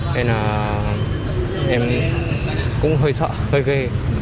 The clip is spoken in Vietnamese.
nên là em cũng hơi sợ hơi ghê